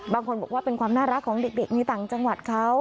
บางคนบอกว่าเป็นความน่ารักของเด็กในต่างจังหวัดเขา